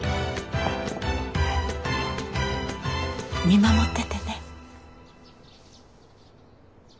見守っててね。